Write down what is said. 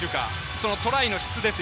そのトライの質です。